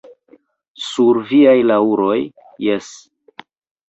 Sur viaj laŭroj, jes!